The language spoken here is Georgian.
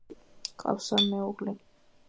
ჰყავს სამი მეუღლე.